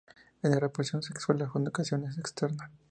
En la reproducción sexual la fecundación es externa.